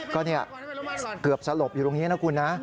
ก็เกือบสลบอยู่ตรงนี้นะคุณนะ